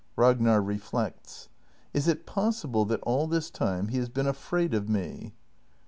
Ragnar. [Reflects.] Is it possible that all this time he has been afraid of me?